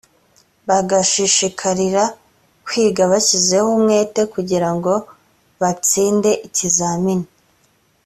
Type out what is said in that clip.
bagashishikarira kwiga bashyizeho umwete kugira ngobatsinde ikizamini